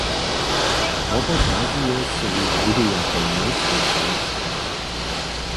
Wopokazuje so wón druhdy jako mostytwarc?